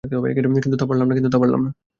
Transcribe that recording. কিন্তু তা পারলাম না।